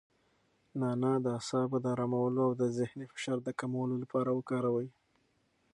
نعناع د اعصابو د ارامولو او د ذهني فشار د کمولو لپاره وکاروئ.